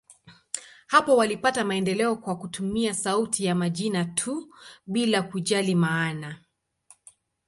Hapo walipata maendeleo kwa kutumia sauti ya majina tu, bila kujali maana.